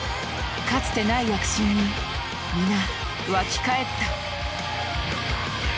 かつてない躍進に皆沸き返った。